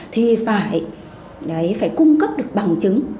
thì phải cung cấp được bằng chứng